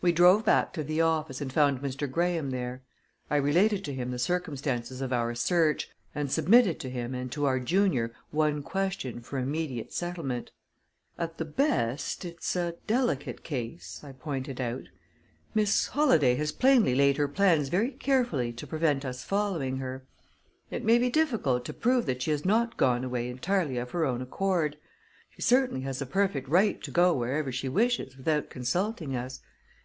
We drove back to the office, and found Mr. Graham there. I related to him the circumstances of our search, and submitted to him and to our junior one question for immediate settlement. "At the best, it's a delicate case," I pointed out. "Miss Holladay has plainly laid her plans very carefully to prevent us following her. It may be difficult to prove that she has not gone away entirely of her own accord. She certainly has a perfect right to go wherever she wishes without consulting us.